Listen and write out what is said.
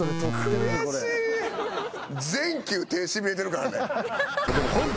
全球手しびれてるからね。